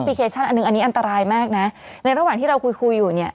พี่ก็ทำเสียงธรรมดาอะไรอย่างนี้